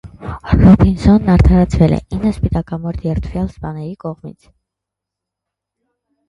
Ռոբինսոնն արդարացվել է ինը սպիտակամորթ երդվյալ սպաների կողմից։